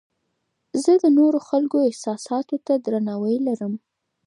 زه د نورو خلکو احساساتو ته درناوی لرم.